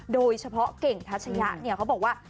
โดยเฉพาะเก่งทัชยะเนี่ยเขาบอกว่า